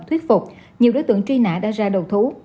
thuyết phục nhiều đối tượng truy nã đã ra đầu thú